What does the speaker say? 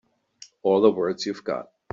All the words you've got.